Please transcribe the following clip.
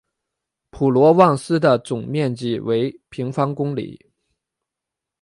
普罗旺斯的总面积为平方公里。